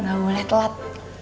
nggak boleh telat